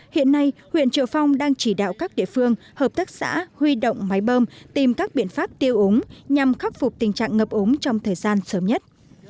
hiện nay huyện triệu phong đang chỉ đạo các địa phương hợp tác xã huy động máy bơm tìm các biện pháp tiêu úng nhằm khắc phục tình trạng ngập ống trong thời gian sớm nhất